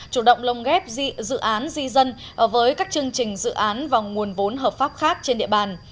chủ động lông ghép dự án di dân với các chương trình dự án và nguồn vốn hợp pháp khác trên địa bàn